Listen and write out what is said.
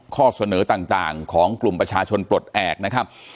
ข้อเสนอต่างของกลุ่มประชาชนปลดแอบนะครับ